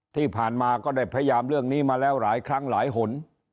ที่ผ่านมาก็ได้พยายามเรื่องนี้มาแล้วหลายครั้งหลายหน